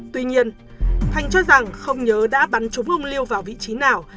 tuy nhiên thành cho rằng không nhớ đã bắn trúng ông lưu vào vị trí nào